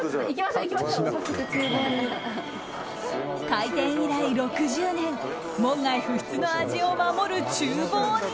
開店以来６０年門外不出の味を守る厨房に。